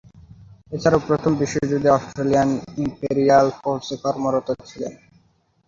এছাড়াও প্রথম বিশ্বযুদ্ধে অস্ট্রেলিয়ান ইম্পেরিয়াল ফোর্সে কর্মরত ছিলেন।